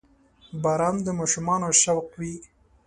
• باران د ماشومانو شوق وي.